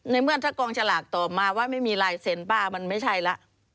เมื่อถ้ากองฉลากตอบมาว่าไม่มีลายเซ็นต์ป้ามันไม่ใช่แล้ว